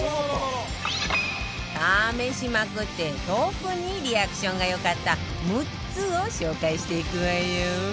試しまくって特にリアクションが良かった６つを紹介していくわよ